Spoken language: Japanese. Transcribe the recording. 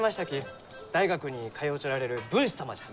大学に通うちょられる文士様じゃ！